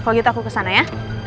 kalau gitu aku kesana ya